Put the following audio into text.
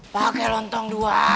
pakai lontong dua